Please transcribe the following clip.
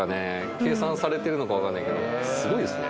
計算されてるのかわかんないけどすごいですね